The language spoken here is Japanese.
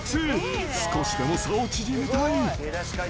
少しでも差を縮めたい。